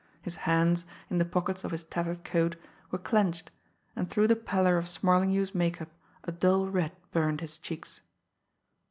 His hands, in the pockets of his tattered coat, were clenched, and through the pallor of Smarlinghue's make up a dull red burned his cheeks.